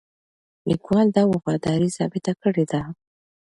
لیکوال دا وفاداري ثابته کړې ده.